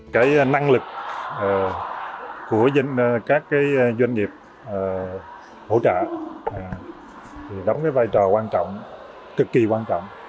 cái năng lực của các doanh nghiệp hỗ trợ đóng cái vai trò quan trọng cực kỳ quan trọng